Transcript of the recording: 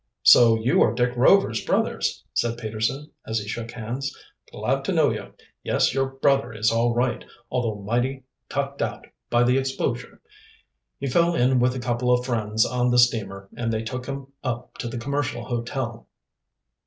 "So you are Dick Rover's brothers," said Peterson, as he shook hands. "Glad to know you. Yes, your brother is all right, although mighty tucked out by the exposure. He fell in with a couple o' friends on the steamer, and they took him up to the Commercial Hotel."